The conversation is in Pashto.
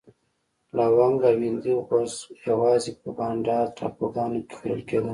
لونګ او هندي غوز یوازې په بانډا ټاپوګانو کې کرل کېدل.